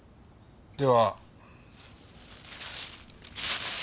では。